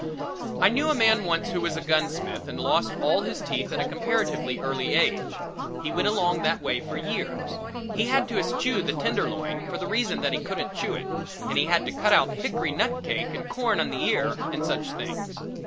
I knew a man once who was a gunsmith and lost all his teeth at a comparatively early age. He went along that way for years. He had to eschew the tenderloin for the reason that he couldn't chew it, and he had to cut out hickory nut cake and corn on the ear and such things.